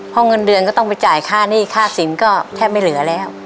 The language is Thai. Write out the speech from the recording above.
เพราะเงินเดือนก็ต้องไปจ่ายค่าหนี้ค่าสินก็แทบไม่เหลือแล้ว